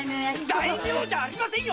大名じゃありませんよ！